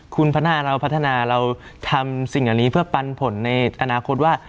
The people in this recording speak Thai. คุณพัฒนาเราพัฒนาเราทำสิ่งเหล่านี้เพื่อปันผลในอนาคตว่า